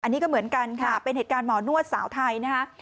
อันนี้ก็เหมือนกันค่ะเป็นเหตุการณ์หมอนวดสาวไทยนะคะ